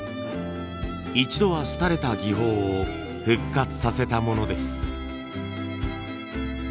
一度は廃れた技法を復活させたものです。